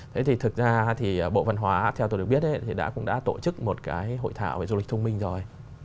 thế thì thực ra thì bộ văn hóa theo tôi được biết thì đã cũng đã tổ chức một cái hội thảo về du lịch thông minh rồi